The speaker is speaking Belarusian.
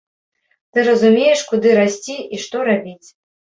Ты разумееш, куды расці і што рабіць.